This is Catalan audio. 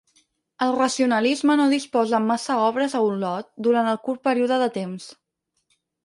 El racionalisme no disposa amb massa obres a Olot donat el curt període de temps.